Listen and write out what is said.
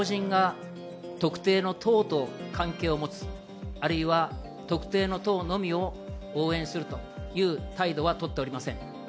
私たちの法人が特定の党と関係を持つ、あるいは特定の党のみを応援するという態度は取っておりません。